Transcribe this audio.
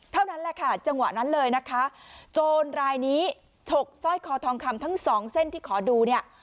เท่านั้นแหละค่ะจังหวะนั้นเลยนะคะโจรรายนี้ฉกสร้อยคอทองคำทั้งสองเส้นที่ขอดูเนี่ย